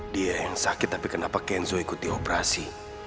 dia yang sakit tapi kenapa kenzo ikuti operasi